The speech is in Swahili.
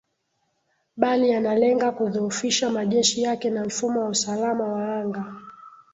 bali yanalenga kudhoofisha majeshi yake na mfumo wa usalama wa anga